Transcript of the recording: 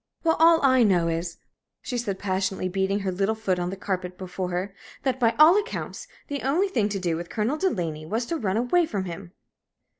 "Well, all I know is," she said, passionately beating her little foot on the carpet before her, "that, by all accounts, the only thing to do with Colonel Delaney was to run away from him."